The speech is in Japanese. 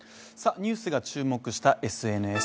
ニュースが注目したＳＮＳ。